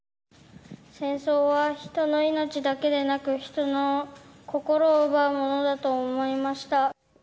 戦争は人の命だけでなく、人の心を奪うものだと思いました。